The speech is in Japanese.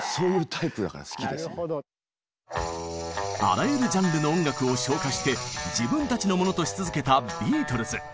あらゆるジャンルの音楽を消化して自分たちのものとし続けたビートルズ。